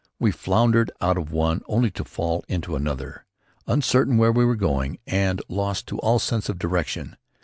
We floundered out of one only to fall into another, uncertain where we were going and lost to all sense of direction.